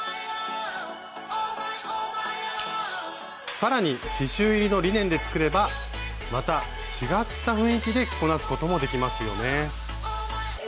さらに刺しゅう入りのリネンで作ればまた違った雰囲気で着こなすこともできますよね。